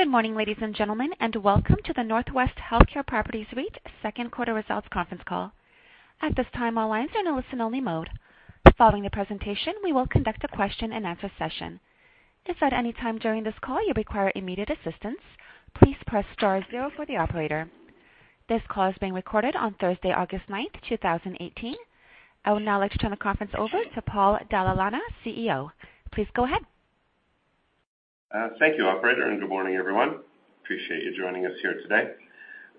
Good morning, ladies and gentlemen, welcome to the NorthWest Healthcare Properties REIT second quarter results conference call. At this time, all lines are in a listen-only mode. Following the presentation, we will conduct a question-and-answer session. If at any time during this call you require immediate assistance, please press star zero for the operator. This call is being recorded on Thursday, August 9, 2018. I would now like to turn the conference over to Paul Dalla Lana, CEO. Please go ahead. Thank you, operator. Good morning, everyone. Appreciate you joining us here today.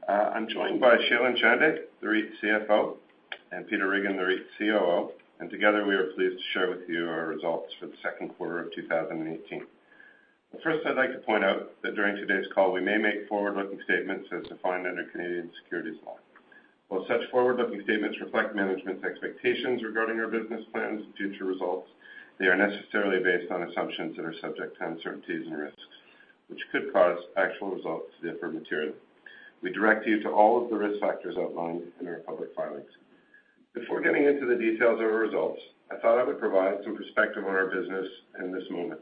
I'm joined by Shailen Chande, the REIT CFO, and Peter Riggin, the REIT COO, and together we are pleased to share with you our results for the second quarter of 2018. First, I'd like to point out that during today's call, we may make forward-looking statements as defined under Canadian securities law. While such forward-looking statements reflect management's expectations regarding our business plans and future results, they are necessarily based on assumptions that are subject to uncertainties and risks, which could cause actual results to differ materially. We direct you to all of the risk factors outlined in our public filings. Before getting into the details of our results, I thought I would provide some perspective on our business in this moment.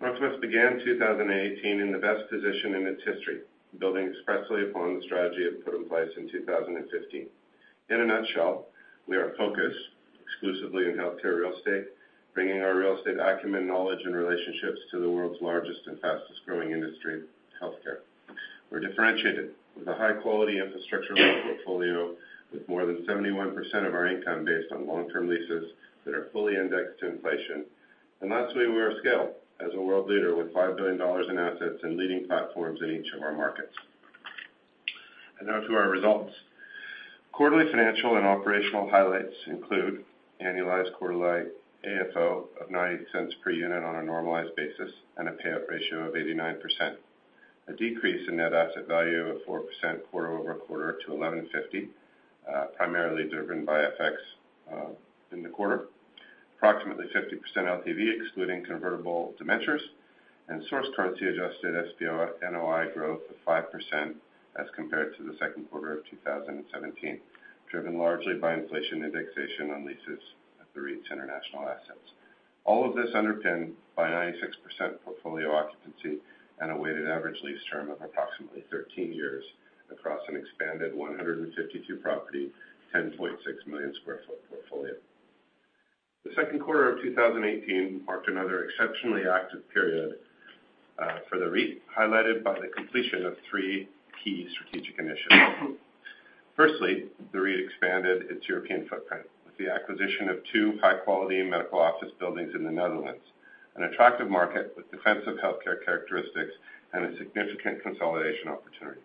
Northwest began 2018 in the best position in its history, building expressly upon the strategy it put in place in 2015. In a nutshell, we are focused exclusively on healthcare real estate, bringing our real estate acumen, knowledge, and relationships to the world's largest and fastest-growing industry, healthcare. We're differentiated with a high-quality infrastructure real estate portfolio, with more than 71% of our income based on long-term leases that are fully indexed to inflation. Lastly, we are scaled as a world leader with 5 billion dollars in assets and leading platforms in each of our markets. Now to our results. Quarterly financial and operational highlights include annualized quarterly AFFO of 0.98 per unit on a normalized basis and a payout ratio of 89%. A decrease in net asset value of 4% quarter-over-quarter to 11.50, primarily driven by FX in the quarter. Approximately 50% LTV excluding convertible debentures and source currency-adjusted SPNOI growth of 5% as compared to the second quarter of 2017, driven largely by inflation indexation on leases at the REIT's international assets. All of this underpinned by 96% portfolio occupancy and a weighted average lease term of approximately 13 years across an expanded 152 property, 10.6 million sq ft portfolio. The second quarter of 2018 marked another exceptionally active period for the REIT, highlighted by the completion of three key strategic initiatives. Firstly, the REIT expanded its European footprint with the acquisition of two high-quality medical office buildings in the Netherlands, an attractive market with defensive healthcare characteristics and a significant consolidation opportunity.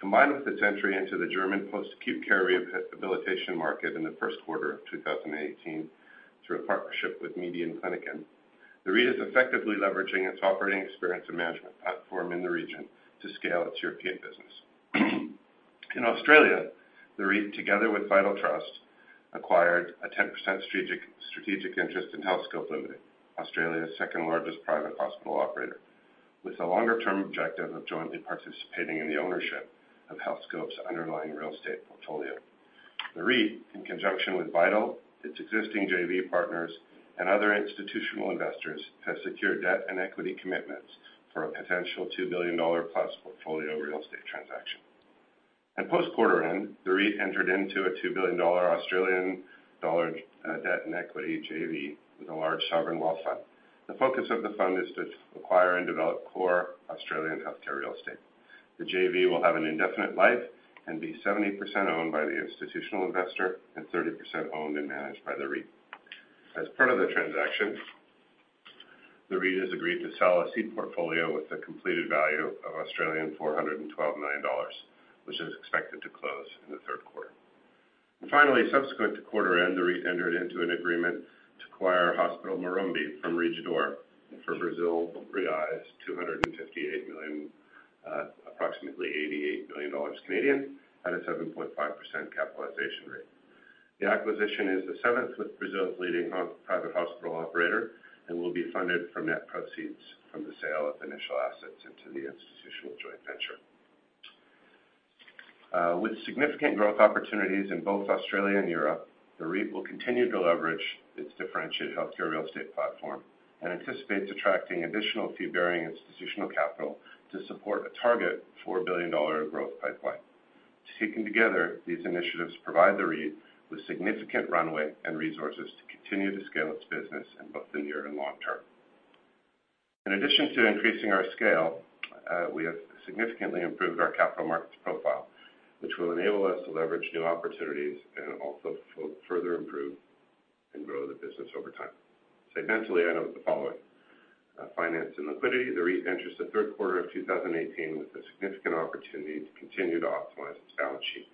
Combined with its entry into the German post-acute care rehabilitation market in the first quarter of 2018 through a partnership with Median Kliniken, the REIT is effectively leveraging its operating experience and management platform in the region to scale its European business. In Australia, the REIT, together with Vital Trust, acquired a 10% strategic interest in Healthscope Limited, Australia's second-largest private hospital operator, with the longer-term objective of jointly participating in the ownership of Healthscope's underlying real estate portfolio. The REIT, in conjunction with Vital, its existing JV partners, and other institutional investors, has secured debt and equity commitments for a potential 2 billion dollar-plus portfolio real estate transaction. At post-quarter end, the REIT entered into a 2 billion Australian dollar debt and equity JV with a large sovereign wealth fund. The focus of the fund is to acquire and develop core Australian healthcare real estate. The JV will have an indefinite life and be 70% owned by the institutional investor and 30% owned and managed by the REIT. Finally, subsequent to quarter end, the REIT entered into an agreement to acquire Hospital Morumbi from Rede D'Or for reais 258 million, approximately 88 million Canadian dollars at a 7.5% capitalization rate. The acquisition is the seventh with Brazil's leading private hospital operator and will be funded from net proceeds from the sale of initial assets into the institutional joint venture. With significant growth opportunities in both Australia and Europe, the REIT will continue to leverage its differentiated healthcare real estate platform and anticipates attracting additional fee-bearing institutional capital to support a target 4 billion dollar growth pipeline. Taken together, these initiatives provide the REIT with significant runway and resources to continue to scale its business in both the near and long term. In addition to increasing our scale, we have significantly improved our capital markets profile, which will enable us to leverage new opportunities and also further improve and grow the business over time. Segmentally, I note the following. Finance and liquidity. The REIT enters the third quarter of 2018 with a significant opportunity to continue to optimize its balance sheet,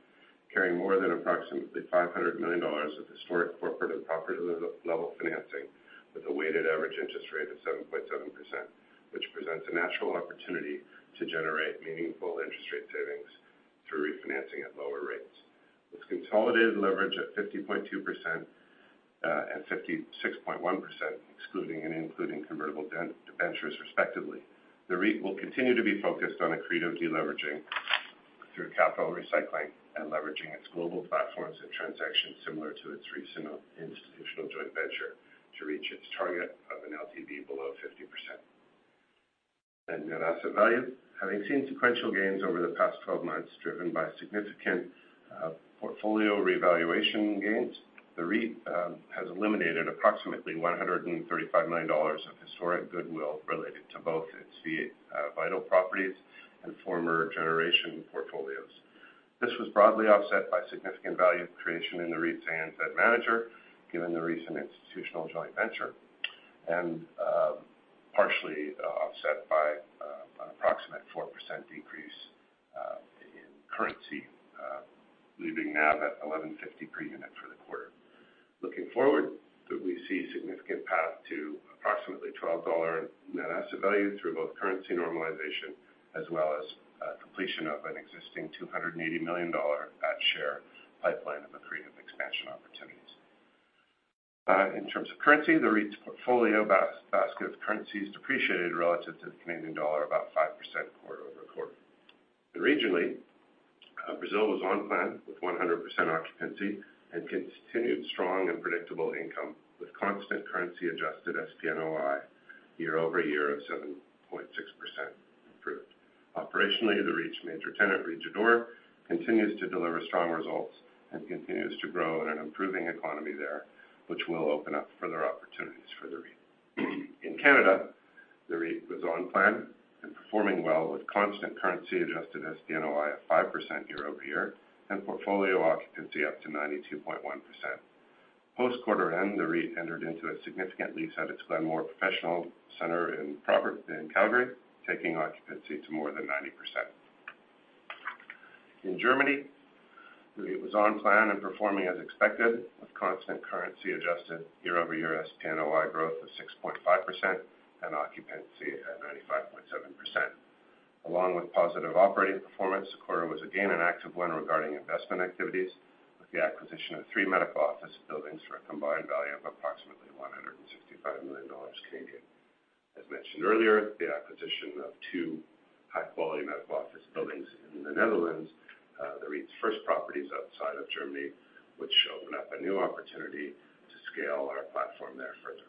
carrying more than approximately 500 million dollars of historic corporate- and property-level financing with a weighted average interest rate of 7.7%, which presents a natural opportunity to generate meaningful interest rate savings through refinancing at lower rates. With consolidated leverage at 50.2% and 66.1%, excluding and including convertible debentures respectively, the REIT will continue to be focused on accretive de-leveraging through capital recycling and leveraging its global platforms and transactions similar to its recent institutional joint venture to reach its target of an LTV below 50%. Net asset value, having seen sequential gains over the past 12 months, driven by significant portfolio revaluation gains, the REIT has eliminated approximately 135 million dollars of historic goodwill related to both its Vital properties and former generation portfolios. This was broadly offset by significant value creation in the REIT's ANZ manager, given the recent institutional joint venture, and partially offset by an approximate 4% decrease in currency, leaving NAV at 11.50 per unit for the quarter. Looking forward, we see a significant path to approximately 12 dollar net asset value through both currency normalization as well as completion of an existing 280 million dollar at-share pipeline of accretive expansion opportunities. In terms of currency, the REIT's portfolio basket of currency is depreciated relative to the Canadian dollar, about 5% quarter-over-quarter. Regionally, Brazil was on plan with 100% occupancy and continued strong and predictable income, with constant currency-adjusted SPNOI year-over-year of 7.6% improved. Operationally, the REIT's major tenant, Rede D'Or, continues to deliver strong results and continues to grow in an improving economy there, which will open up further opportunities for the REIT. In Canada, the REIT was on plan and performing well with constant currency-adjusted SPNOI of 5% year-over-year and portfolio occupancy up to 92.1%. Post quarter end, the REIT entered into a significant lease at its Glenmore Professional Centre in Calgary, taking occupancy to more than 90%. In Germany, the REIT was on plan and performing as expected with constant currency-adjusted year-over-year SPNOI growth of 6.5% and occupancy at 95.7%. Along with positive operating performance, the quarter was again an active one regarding investment activities, with the acquisition of three medical office buildings for a combined value of approximately 165 million Canadian dollars. As mentioned earlier, the acquisition of two high-quality medical office buildings in the Netherlands, the REIT's first properties outside of Germany, which open up a new opportunity to scale our platform there further.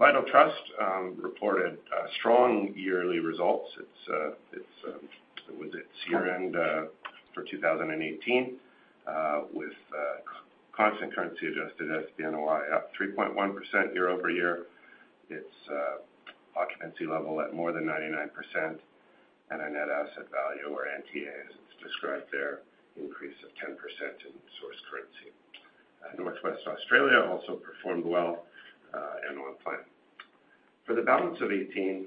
Vital Trust reported strong yearly results. It's year-end for 2018, with constant currency-adjusted SPNOI up 3.1% year-over-year. Its occupancy level at more than 99%, and a net asset value, or NTA, as it's described there, increase of 10% in source currency. Northwest Australia also performed well and on plan. For the balance of 2018,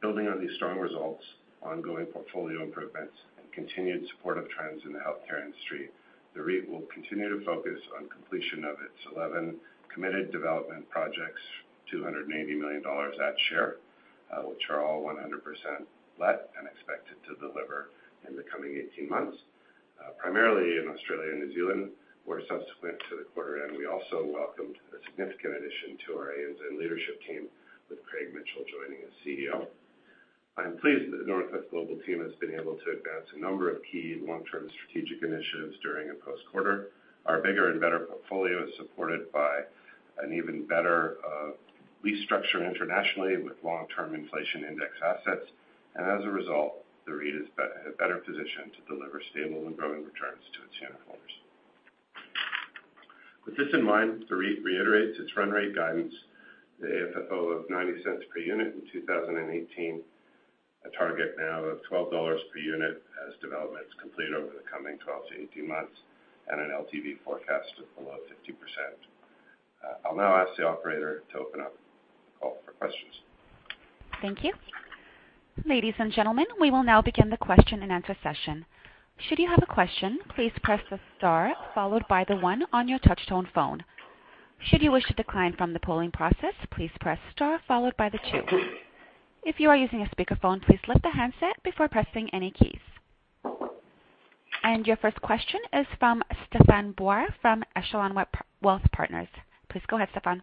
building on these strong results, ongoing portfolio improvements, and continued supportive trends in the healthcare industry, the REIT will continue to focus on completion of its 11 committed development projects, 280 million dollars at share, which are all 100% let and expected to deliver in the coming 18 months, primarily in Australia and New Zealand, where subsequent to the quarter end, we also welcomed a significant addition to our ANZ leadership team, with Craig Mitchell joining as CEO. I am pleased that the Northwest Global team has been able to advance a number of key long-term strategic initiatives during and post-quarter. Our bigger and better portfolio is supported by an even better lease structure internationally with long-term inflation index assets. As a result, the REIT is better positioned to deliver stable and growing returns to its unitholders. With this in mind, the REIT reiterates its run rate guidance, the AFFO of 0.90 per unit in 2018, a target now of CAD 12 per unit as developments complete over the coming 12 to 18 months, and an LTV forecast of below 50%. I'll now ask the operator to open up the call for questions. Thank you. Ladies and gentlemen, we will now begin the question and answer session. Should you have a question, please press the star followed by the one on your touch-tone phone. Should you wish to decline from the polling process, please press star followed by the two. If you are using a speakerphone, please lift the handset before pressing any keys. Your first question is from Stephane Boyal from Echelon Wealth Partners. Please go ahead, Stephane.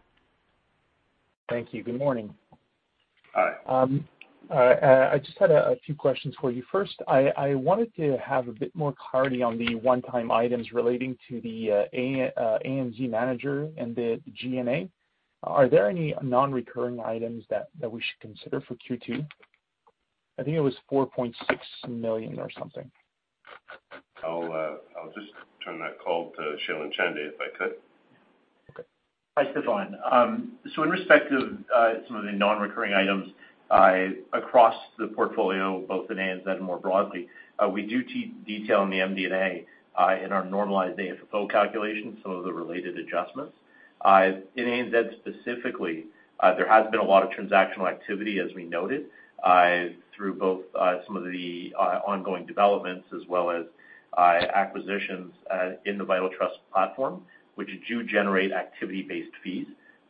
Thank you. Good morning. Hi. I just had a few questions for you. First, I wanted to have a bit more clarity on the one-time items relating to the ANZ manager and the GMA. Are there any non-recurring items that we should consider for Q2? I think it was 4.6 million or something. I'll just turn that call to Shailen Chande, if I could. Okay. Hi, Stephane. In respect of some of the non-recurring items, across the portfolio, both in ANZ more broadly, we do detail in the MD&A, in our normalized AFFO calculation, some of the related adjustments. In ANZ specifically, there has been a lot of transactional activity, as we noted, through both some of the ongoing developments as well as acquisitions in the Vital Trust platform, which do generate activity-based fees.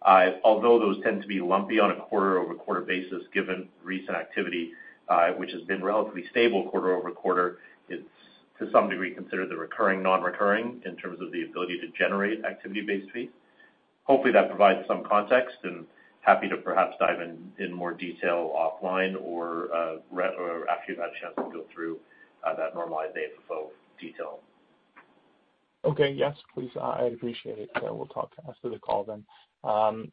Although those tend to be lumpy on a quarter-over-quarter basis, given recent activity, which has been relatively stable quarter-over-quarter, it's to some degree considered the recurring non-recurring in terms of the ability to generate activity-based fees. Hopefully that provides some context and happy to perhaps dive in more detail offline or after you've had a chance to go through that normalized AFFO detail. Okay. Yes, please. I'd appreciate it. We'll talk after the call then. I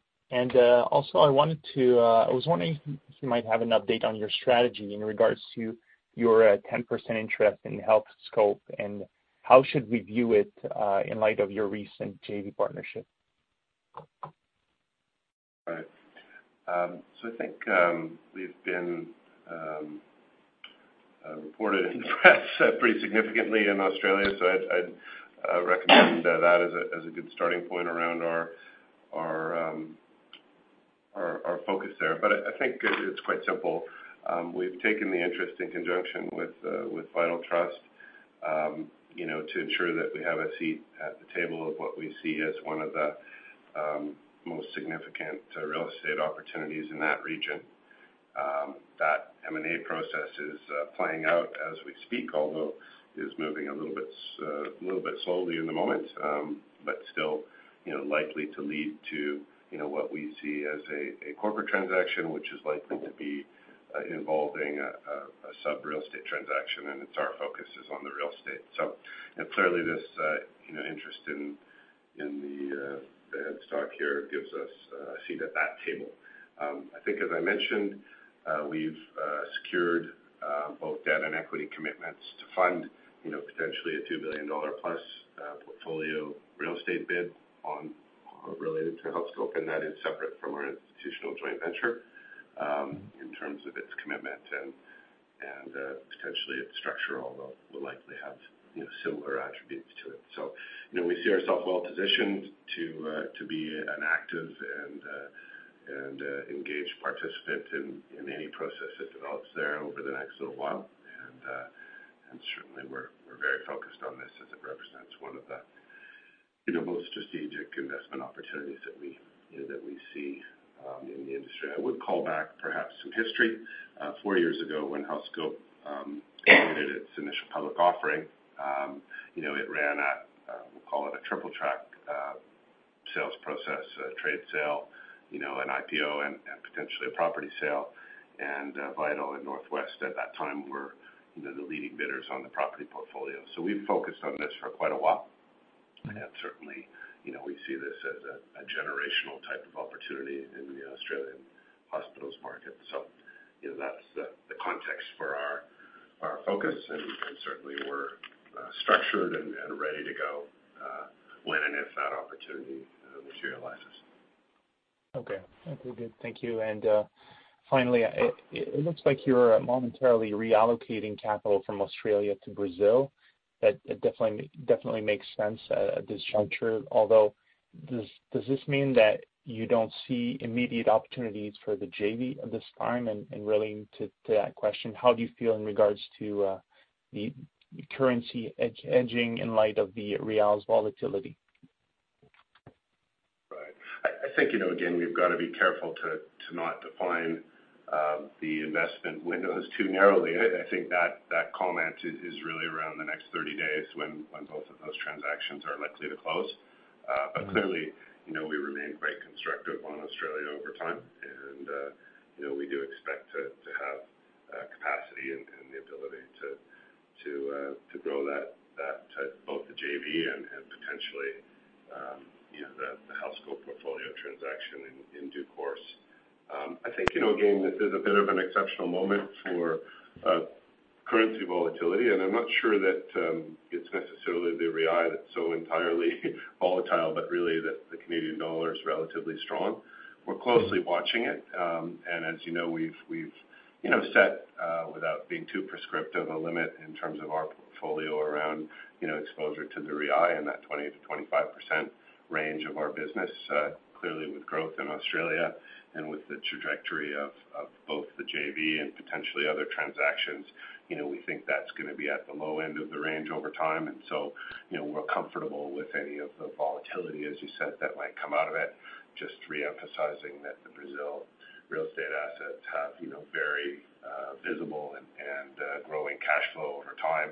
was wondering if you might have an update on your strategy in regards to your 10% interest in Healthscope and how should we view it, in light of your recent JV partnership? Right. I think, we've been reported in the press pretty significantly in Australia. I'd recommend that as a good starting point around our focus there. I think it's quite simple. We've taken the interest in conjunction with Vital Trust, to ensure that we have a seat at the table of what we see as one of the most significant real estate opportunities in that region. That M&A process is playing out as we speak, although is moving a little bit slowly in the moment. Still, likely to lead to what we see as a corporate transaction, which is likely to be involving a sub-real estate transaction, and it's our focus is on the real estate. Clearly this interest in the stock here gives us a seat at that table. I think as I mentioned, we've secured both debt and equity commitments to fund potentially a 2 billion dollar-plus portfolio real estate bid related to Healthscope, and that is separate from our institutional joint venture, in terms of its commitment and potentially its structure, although will likely have similar attributes to it. We see ourself well positioned to be an active and engaged participant in any process that develops there over the next little while. Certainly we're very focused on this as it represents one of the most strategic investment opportunities that we see in the industry. I would call back perhaps some history. Four years ago when Healthscope completed its initial public offering. It ran a, we'll call it a triple track sales process, a trade sale, an IPO and potentially a property sale. Vital and NorthWest at that time were the leading bidders on the property portfolio. We've focused on this for quite a while, and certainly, we see this as a generational type of opportunity in the Australian hospitals market. That's the context for our focus and certainly we're structured and ready to go, when and if that opportunity materializes. Okay. Good. Thank you. Finally, it looks like you're momentarily reallocating capital from Australia to Brazil. That definitely makes sense at this juncture. Although, does this mean that you don't see immediate opportunities for the JV at this time? Related to that question, how do you feel in regards to the currency hedging in light of the Real's volatility? Right. I think, again, we've got to be careful to not define the investment windows too narrowly. I think that comment is really around the next 30 days when both of those transactions are likely to close. Clearly, we remain quite constructive on Australia over time. We do expect to have capacity and the ability to grow both the JV and potentially the Healthscope portfolio transaction in due course. I think, again, this is a bit of an exceptional moment for currency volatility, and I'm not sure that it's necessarily the Real that's so entirely volatile, but really that the Canadian dollar is relatively strong. We're closely watching it. As you know, we've set, without being too prescriptive, a limit in terms of our portfolio around exposure to the Real in that 20%-25% range of our business. Clearly with growth in Australia and with the trajectory of both the JV and potentially other transactions, we think that's going to be at the low end of the range over time. We're comfortable with any of the volatility, as you said, that might come out of it. Just re-emphasizing that the Brazil real estate assets have very visible and growing cash flow over time.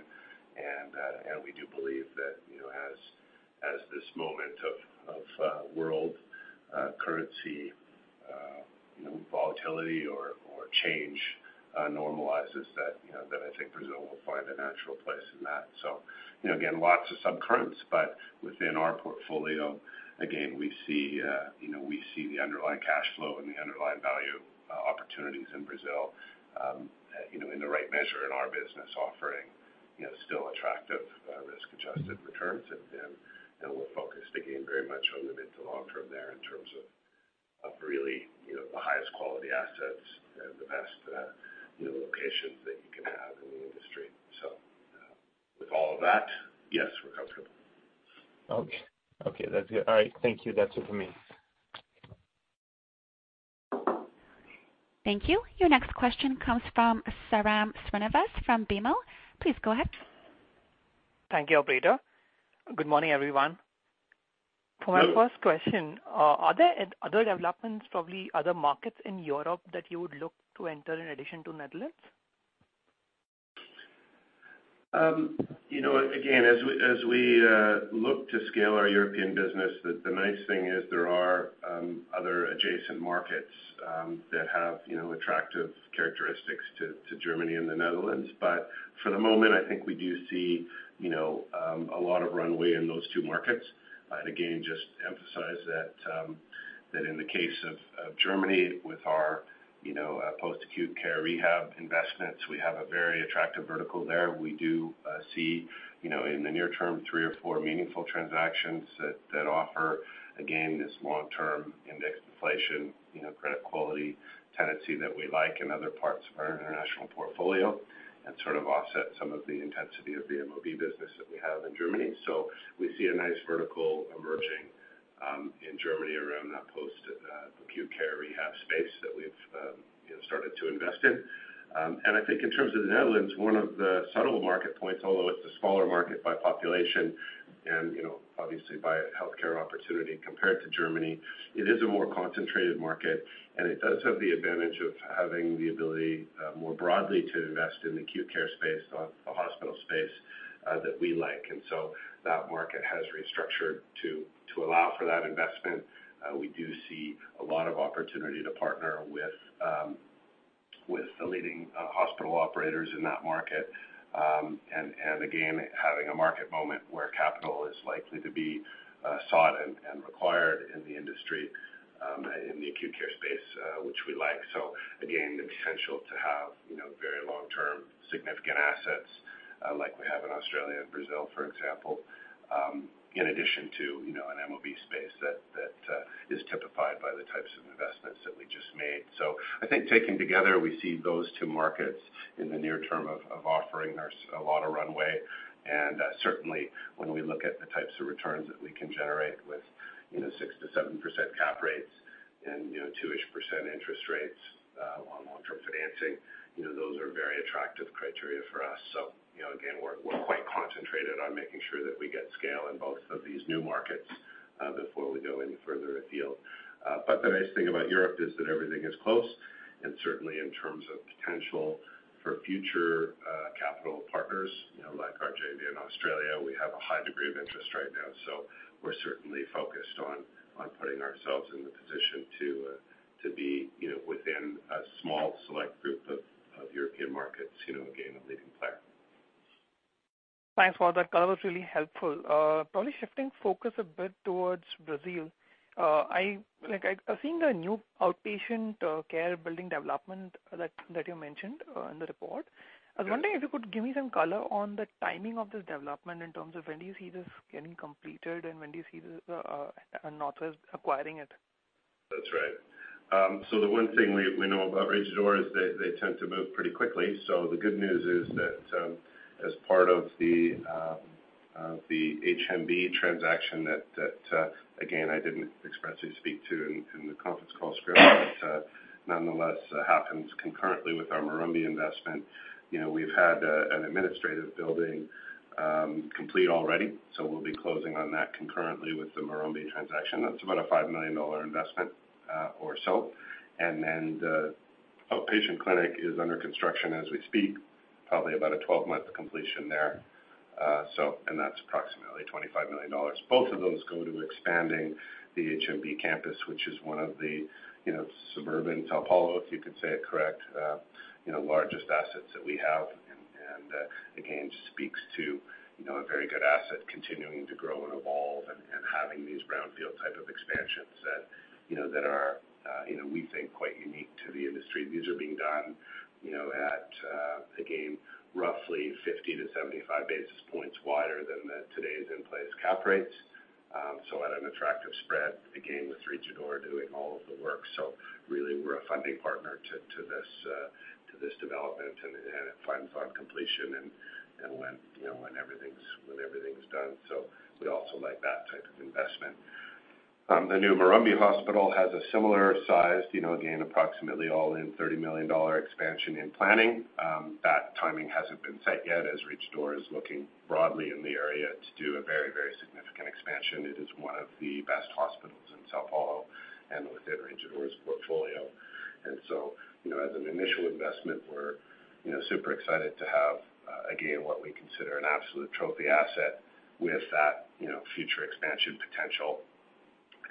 We do believe that, as this moment of world currency volatility or change normalizes that I think Brazil will find a natural place in that. Again, lots of subcurrents, but within our portfolio, again, we see the underlying cash flow and the underlying value opportunities in Brazil, in the right measure in our business offering, still attractive, risk-adjusted returns. We're focused again, very much on the mid to long term there in terms of really the highest quality assets and the best locations that you can have in the industry. With all of that, yes, we're comfortable. Okay. That's good. All right. Thank you. That's it for me. Thank you. Your next question comes from Sairam Srinivas from BMO. Please go ahead. Thank you, operator. Good morning, everyone. For my first question, are there any other developments, probably other markets in Europe that you would look to enter in addition to Netherlands? As we look to scale our European business, the nice thing is there are other adjacent markets that have attractive characteristics to Germany and the Netherlands. For the moment, I think we do see a lot of runway in those two markets. Just to emphasize that in the case of Germany, with our post-acute care rehab investments, we have a very attractive vertical there. We do see, in the near term, three or four meaningful transactions that offer, again, this long-term index inflation, credit quality tenancy that we like in other parts of our international portfolio and sort of offset some of the intensity of the MOB business that we have in Germany. We see a nice vertical emerging in Germany around that post-acute care rehab space that we've started to invest in. I think in terms of the Netherlands, one of the subtle market points, although it's a smaller market by population and obviously by healthcare opportunity compared to Germany, it is a more concentrated market, and it does have the advantage of having the ability more broadly to invest in the acute care space, the hospital space that we like. That market has restructured to allow for that investment. We do see a lot of opportunity to partner with the leading hospital operators in that market. Again, having a market moment where capital is likely to be sought and required in the industry, in the acute care space, which we like. The potential to have very long-term significant assets like we have in Australia and Brazil, for example, in addition to an MOB space that is typified by the types of investments that we just made. I think taken together, we see those two markets in the near term of offering us a lot of runway. And certainly when we look at the types of returns that we can generate with 6%-7% cap rates and two-ish % interest rates on long-term financing, those are very attractive criteria for us. We're quite concentrated on making sure that we get scale in both of these new markets before we go any further afield. The nice thing about Europe is that everything is close, and certainly in terms of potential for future capital partners like our JV in Australia, we have a high degree of interest right now. We're certainly focused on putting ourselves in the position to be within a small select group of European markets, again, a leading player. Thanks, Paul. That was really helpful. Probably shifting focus a bit towards Brazil. I've seen the new outpatient care building development that you mentioned in the report. Right. I was wondering if you could give me some color on the timing of this development in terms of when do you see this getting completed, and when do you see NorthWest acquiring it? That's right. The one thing we know about Rede D'Or is they tend to move pretty quickly. The good news is that as part of the HMB transaction that, again, I didn't expressly speak to in the conference call script, but nonetheless happens concurrently with our Morumbi investment. We've had an administrative building complete already, so we'll be closing on that concurrently with the Morumbi transaction. That's about a 5 million dollar investment or so. Then the outpatient clinic is under construction as we speak, probably about a 12-month completion there. That's approximately 25 million dollars. Both of those go to expanding the HMB campus, which is one of the suburban São Paulo, if you could say it correct, largest assets that we have. Just speaks to a very good asset continuing to grow and evolve and having these brownfield type of expansions that are, we think, quite unique to the industry. These are being done at, again, roughly 50 to 75 basis points wider than today's in-place cap rates. At an attractive spread, again, with Rede D'Or doing all of the work. Really, we're a funding partner to this development and at fund completion and when everything's done. We also like that type of investment. The new Morumbi hospital has a similar size, again, approximately all in 30 million dollar expansion in planning. That timing hasn't been set yet, as Rede D'Or is looking broadly in the area to do a very significant expansion. It is one of the best hospitals in São Paulo and within Rede D'Or's portfolio. As an initial investment, we're super excited to have, again, what we consider an absolute trophy asset with that future expansion potential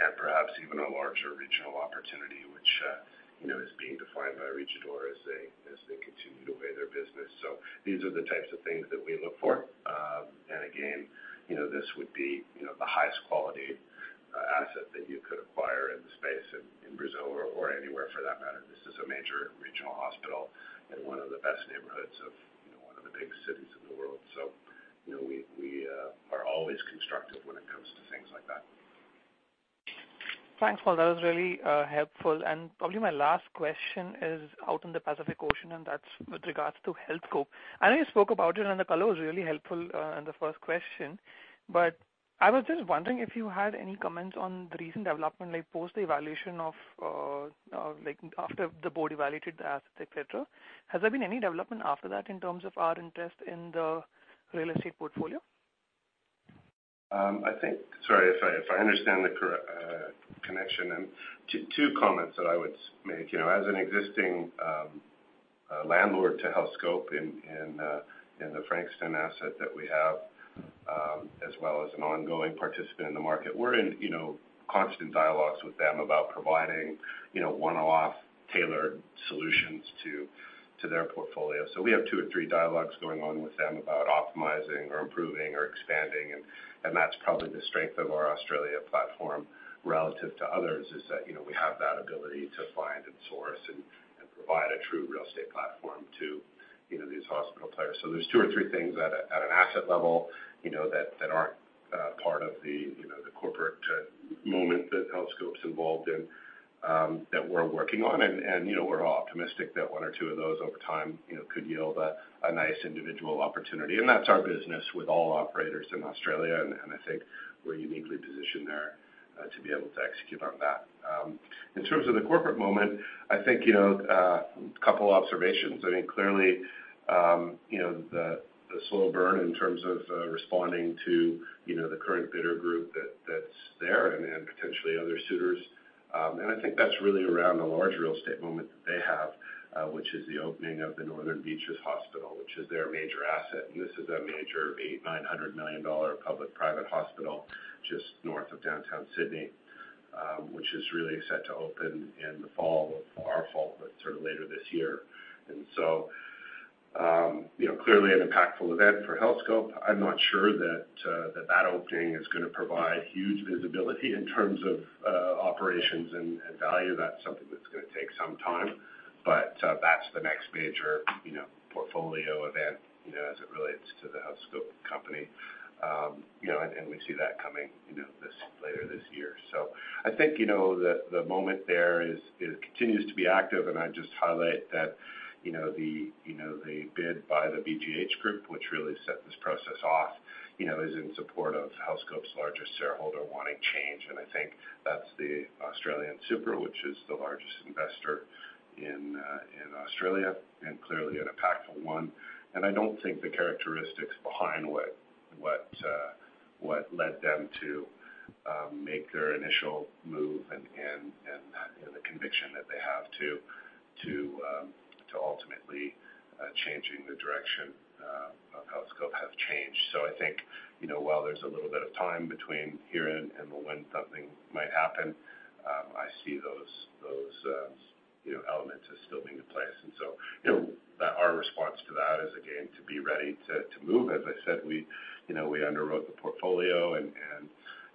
and perhaps even a larger regional opportunity, which is being defined by Rede D'Or as they continue to weigh their business. These are the types of things that we look for. Again, this would be the highest quality asset that you could acquire in the space in Brazil or anywhere, for that matter. This is a major regional hospital in one of the best neighborhoods of one of the biggest cities in the world. We are always constructive when it comes to things like that. Thanks, Paul. That was really helpful. Probably my last question is out in the Pacific Ocean, and that's with regards to Healthscope. I know you spoke about it, and the color was really helpful in the first question. But I was just wondering if you had any comments on the recent development, after the board evaluated the asset, et cetera. Has there been any development after that in terms of our interest in the real estate portfolio? I think, sorry, if I understand the connection, two comments that I would make. As an existing landlord to Healthscope in the Frankston asset that we have, as well as an ongoing participant in the market, we're in constant dialogues with them about providing one-off tailored solutions to their portfolio. We have two or three dialogues going on with them about optimizing or improving or expanding, and that's probably the strength of our Australia platform relative to others, is that we have that ability to find and source and provide a true real estate platform to these hospital players. There's two or three things at an asset level that aren't part of the corporate moment that Healthscope's involved in that we're working on. We're optimistic that one or two of those over time could yield a nice individual opportunity. That's our business with all operators in Australia, and I think we are uniquely positioned there to be able to execute on that. In terms of the corporate moment, I think a couple observations. I think clearly, the slow burn in terms of responding to the current bidder group that is there and potentially other suitors, and I think that is really around the large real estate moment that they have, which is the opening of the Northern Beaches Hospital, which is their major asset. This is a major, a 900 million dollar public-private hospital just north of downtown Sydney, which is really set to open in the fall, our fall, but later this year. Clearly an impactful event for Healthscope. I am not sure that that opening is going to provide huge visibility in terms of operations and value. That is something that is going to take some time. That's the next major portfolio event as it relates to the Healthscope company. We see that coming later this year. I think the moment there continues to be active, and I would just highlight that the bid by the BGH group, which really set this process off, is in support of Healthscope's largest shareholder wanting change. I think that is the AustralianSuper, which is the largest investor in Australia, and clearly an impactful one. I do not think the characteristics behind what led them to make their initial move and the conviction that they have to ultimately changing the direction of Healthscope have changed. I think while there is a little bit of time between here and when something might happen, I see those elements as still being in place. Our response to that is, again, to be ready to move. As I said, we underwrote the portfolio and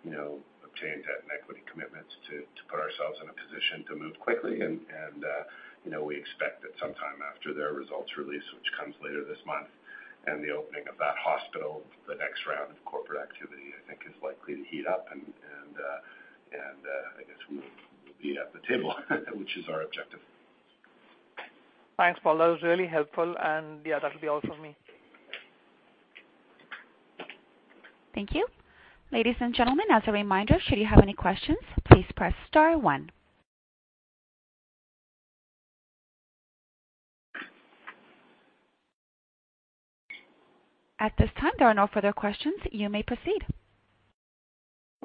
obtained debt and equity commitments to put ourselves in a position to move quickly. We expect that sometime after their results release, which comes later this month, and the opening of that hospital, the next round of corporate activity is likely to heat up, we will be at the table, which is our objective. Thanks, Paul. That was really helpful, that'll be all from me. Thank you. Ladies and gentlemen, as a reminder, should you have any questions, please press star one. At this time, there are no further questions. You may proceed.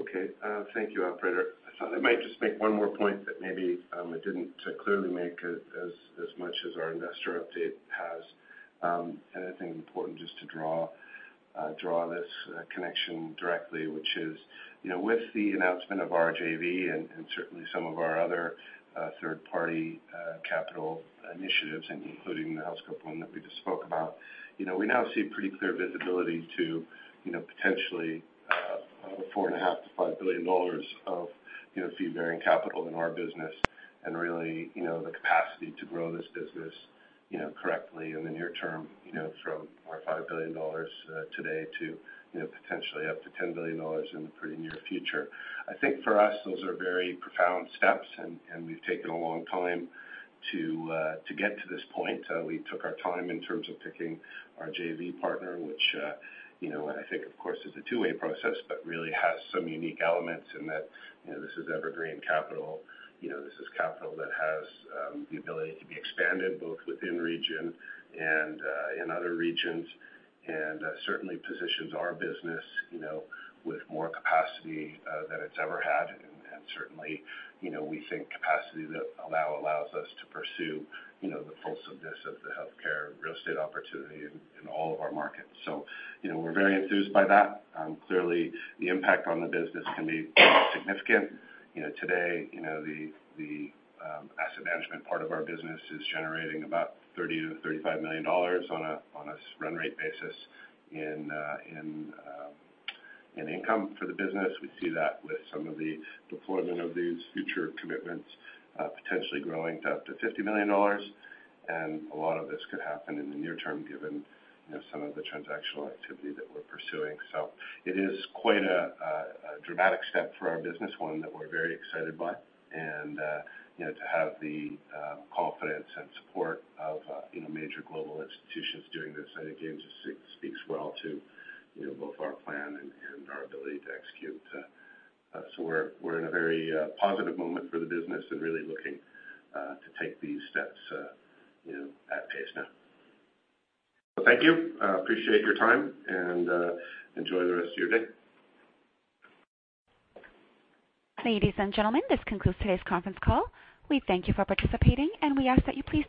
Okay. Thank you, operator. I thought I might just make one more point that maybe I didn't clearly make as much as our investor update has. I think important just to draw this connection directly, which is, with the announcement of our JV and certainly some of our other third-party capital initiatives, including the Healthscope one that we just spoke about, we now see pretty clear visibility to potentially 4.5 billion-5 billion dollars of fee-bearing capital in our business and really the capacity to grow this business correctly in the near term from our 5 billion dollars today to potentially up to 10 billion dollars in the pretty near future. I think for us, those are very profound steps, and we've taken a long time to get to this point. We took our time in terms of picking our JV partner, which I think, of course, is a two-way process, but really has some unique elements in that this is evergreen capital. This is capital that has the ability to be expanded both within region and in other regions, and certainly positions our business with more capacity than it's ever had, and certainly, we think capacity that now allows us to pursue the fulsomeness of the healthcare real estate opportunity in all of our markets. We're very enthused by that. Clearly, the impact on the business can be significant. Today, the asset management part of our business is generating about 30 million-35 million dollars on a run rate basis in income for the business. We see that with some of the deployment of these future commitments potentially growing to up to 50 million dollars. A lot of this could happen in the near term given some of the transactional activity that we're pursuing. It is quite a dramatic step for our business, one that we're very excited by. To have the confidence and support of major global institutions doing this, I think again, just speaks well to both our plan and our ability to execute. We're in a very positive moment for the business and really looking to take these steps at pace now. Well, thank you. Appreciate your time, and enjoy the rest of your day. Ladies and gentlemen, this concludes today's conference call. We thank you for participating, and we ask that you please